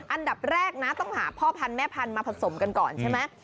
อันดับแรกนะต้องหาพ่อพันธุแม่พันธุ์มาผสมกันก่อนใช่ไหม